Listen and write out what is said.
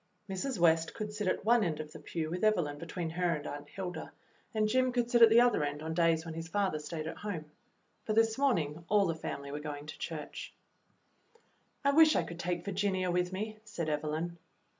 Mrs. West could sit at one end of the pew w^ith Evelyn between her and Aunt Hilda, and Jim could sit at the other end on days when his father stayed at home, but this morning all the family were going to church. "I wish I could take Virginia with me," said Evelyn.